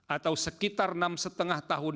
atau sekitar enam lima tahun